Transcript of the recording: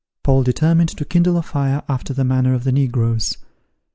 Paul determined to kindle a fire after the manner of the negroes.